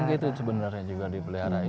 tidak boleh sebenarnya diperlihara